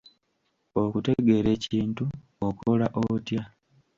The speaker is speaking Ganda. Okutegeera ekintu, okola otya?